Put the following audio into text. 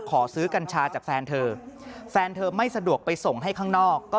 ขอซื้อกัญชาจากแฟนเธอแฟนเธอไม่สะดวกไปส่งให้ข้างนอกก็